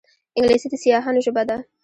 انګلیسي د سیاحانو ژبه ده